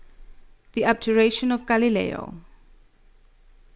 THE ABJURATION OF GALILEO.